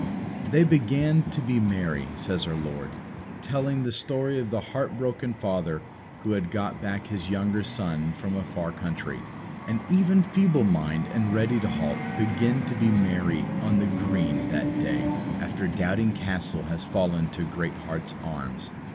"They began to be merry," says our Lord, telling the story of the heart broken father who had got back his younger son from a far country. And even Feeble mind and Ready to halt begin to be merry on the green that day after Doubting Castle has fallen to Greatheart's arms.